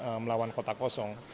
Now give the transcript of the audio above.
dengan gerakan melawan kota kosong